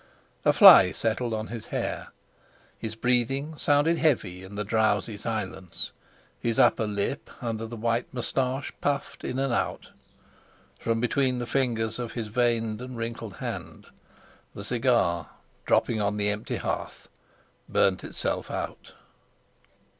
A fly settled on his hair, his breathing sounded heavy in the drowsy silence, his upper lip under the white moustache puffed in and out. From between the fingers of his veined and wrinkled hand the cigar, dropping on the empty hearth, burned itself out.